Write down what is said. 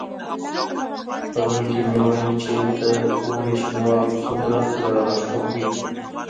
په زړه مې ویل چې د اوړي شینوالی څومره زړه راښکونکی وي.